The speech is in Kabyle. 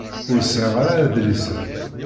Ur sɛiɣ ara adlis-a.